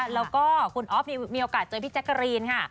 แล้วก็คุณอ๊อฟมีโอกาสเจอพี่แจ๊กกะรีนค่ะ